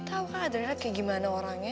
tau kak adriana kayak gimana orangnya